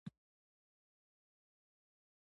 هدف یې یوازې فکري زړه خواله کول دي.